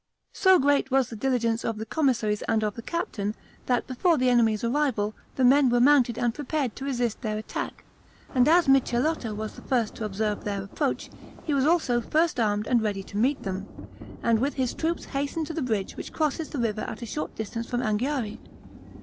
So great was the diligence of the commissaries and of the captain, that before the enemy's arrival, the men were mounted and prepared to resist their attack; and as Micheletto was the first to observe their approach, he was also first armed and ready to meet them, and with his troops hastened to the bridge which crosses the river at a short distance from Anghiari.